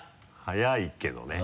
早いけどね。